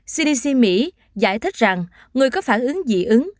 cdc mỹ giải thích rằng người có phản ứng dị ứng